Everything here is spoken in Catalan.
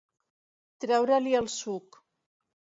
Treure-li el suc.